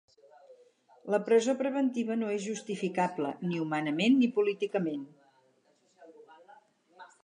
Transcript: La presó preventiva no és justificable, ni humanament ni políticament.